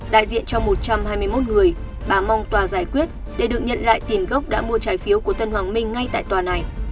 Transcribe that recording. đại diện cho một trăm hai mươi một người bà mong tòa giải quyết để được nhận lại tiền gốc đã mua trái phiếu của tân hoàng minh ngay tại tòa này